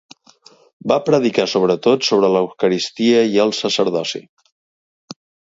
Va predicar sobretot sobre l'Eucaristia i el sacerdoci.